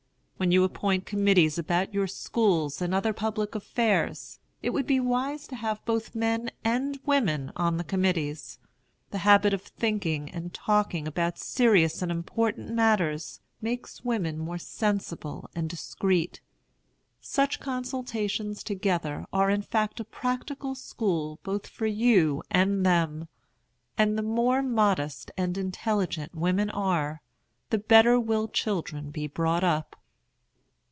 When you appoint committees about your schools and other public affairs, it would be wise to have both men and women on the committees. The habit of thinking and talking about serious and important matters makes women more sensible and discreet. Such consultations together are in fact a practical school both for you and them; and the more modest and intelligent women are, the better will children be brought up.